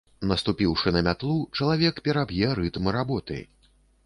Наступіўшы на мятлу, чалавек пераб'е рытм работы.